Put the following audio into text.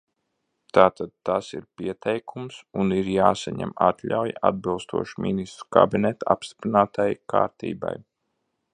Tātad tas ir pieteikums, un ir jāsaņem atļauja atbilstoši Ministru kabineta apstiprinātajai kārtībai.